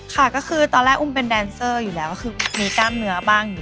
ก็บอกว่าเราเป็นดันเซอร์สาวบัญญาณสองสิ